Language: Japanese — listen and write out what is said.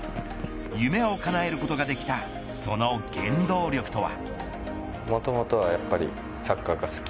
夢をかなえることができたその原動力とは。